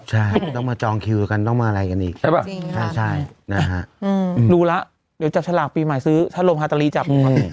ใช่ต้องมาจองคิวกันต้องมาอะไรกันอีกใช่ป่ะใช่นะฮะรู้แล้วเดี๋ยวจับฉลากปีใหม่ซื้อถ้าลมฮาตาลีจับ